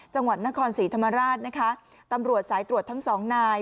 จังหวัดนครศรีธรรมราชนะคะตำรวจสายตรวจทั้งสองนาย